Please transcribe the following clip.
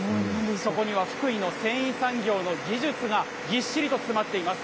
そこには福井の繊維産業の技術がぎっしりと詰まっています。